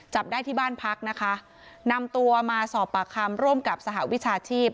จับได้ที่บ้านพักนะคะนำตัวมาสอบปากคำร่วมกับสหวิชาชีพ